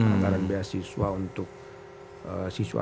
anggaran beasiswa untuk siswa